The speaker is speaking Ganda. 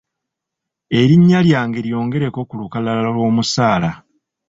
Erinnya lyange lyongereko ku lukalala lw'omusaala.